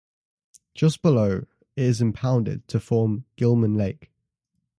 Just below, it is impounded to form Gilman Lake.